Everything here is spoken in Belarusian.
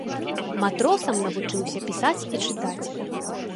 Матросам навучыўся пісаць і чытаць.